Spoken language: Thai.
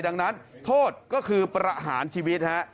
ดังนั้นโทษก็คือประหารชีวิตฮะ